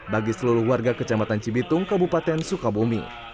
bagi seluruh warga kecamatan cibitung kabupaten sukabumi